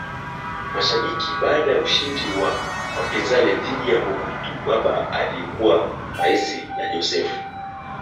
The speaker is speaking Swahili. MasharikiBaada ya ushindi wa wapinzani dhidi ya Mobutu baba alikuwa rais na Joseph